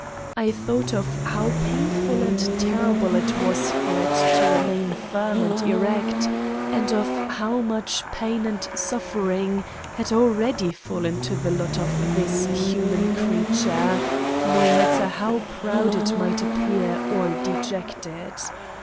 I thought of how painful and terrible it was for it to remain firm and erect and of how much pain and suffering had already fallen to the lot of this human creature, no matter how proud it might appear or dejected.